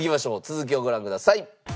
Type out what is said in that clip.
続きをご覧ください。